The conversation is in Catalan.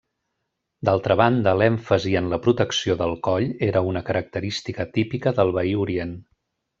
D'altra banda, l'èmfasi en la protecció del coll era una característica típica del veí orient.